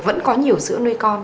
vẫn có nhiều sữa nuôi con